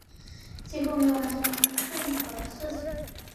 几乎没有办法完成任何事情